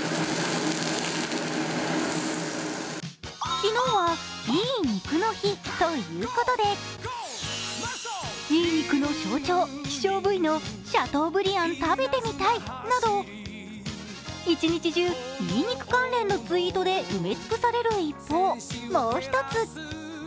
昨日はいい肉の日ということで、いい肉の象徴、希少部位のシャトーブリアン食べてみたいなど、一日中、いい肉関連のツイートで埋め尽くされる一方、もう一つ。